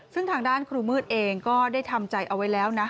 ซึ่งทางด้านครูมืดเองก็ได้ทำใจเอาไว้แล้วนะ